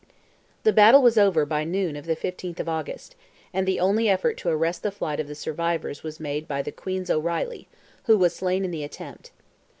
The battle was over by noon of the 15th of August; and the only effort to arrest the flight of the survivors was made by "the Queen's O'Reilly," who was slain in the attempt.